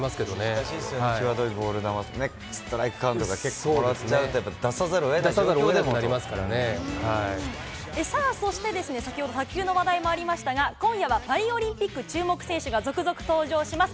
難しいですよね、際どいボール球だと、ストライクカウントが結構もらっちゃうと、さあ、そしてですね、先ほど卓球の話題もありましたが、今夜はパリオリンピック注目選手が続々登場します。